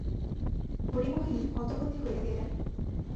হরিমোহিনী হতবুদ্ধি হইয়া গেলেন।